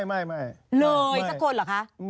เลยสักคนเหรอคะ